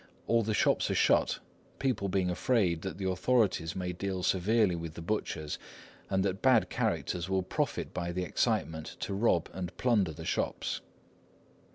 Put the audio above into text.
All the shops are shut, people being afraid that the authorities may deal severely with the butchers, and that bad characters will profit by the excitement to rob and plunder the shops."